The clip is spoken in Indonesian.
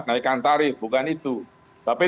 naikkan tarif bukan itu tapi